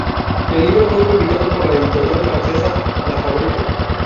El libro fue publicado por la editorial francesa La Fabrique.